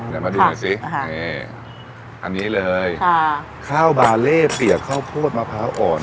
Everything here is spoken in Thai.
เดี๋ยวมาดูหน่อยสินี่อันนี้เลยค่ะข้าวบาเล่เปียกข้าวโพดมะพร้าวอ่อน